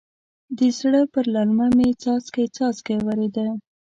د زړه پر للمه مې څاڅکی څاڅکی ورېده.